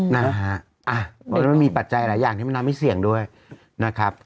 นะฮะอ่ะเพราะมันมีปัจจัยหลายอย่างที่มันนำให้เสี่ยงด้วยนะครับ